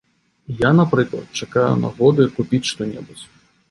Я, напрыклад, чакаю нагоды купіць што-небудзь.